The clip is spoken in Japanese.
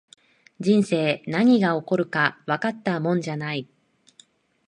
人生、何が起こるかわかったもんじゃない